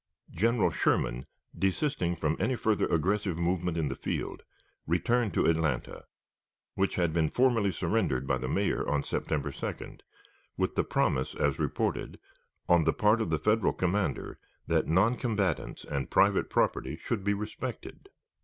General Sherman, desisting from any further aggressive movement in the field, returned to Atlanta, which had been formally surrendered by the Mayor on September 2d, with the promise, as reported, on the part of the Federal commander, that non combatants and private property should be respected.